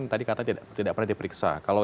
tadi kata tidak pernah diperiksa kalau